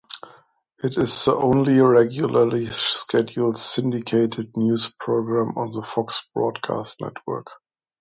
It is the only regularly scheduled syndicated news program on the Fox broadcast network.